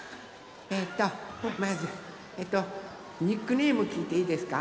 えっとまずニックネームきいていいですか？